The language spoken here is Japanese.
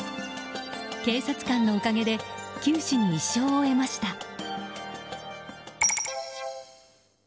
警察官のおかげで九死に一生を得ました。